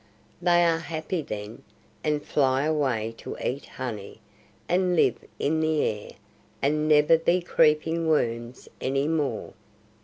They are happy then, and fly away to eat honey, and live in the air, and never be creeping worms any more."